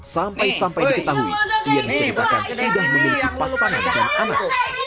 sampai sampai diketahui ia diceritakan sudah memiliki pasangan dan anak